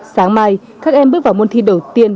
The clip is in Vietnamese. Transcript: sáng mai các em bước vào môn thi đầu tiên